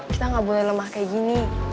kita nggak boleh lemah kayak gini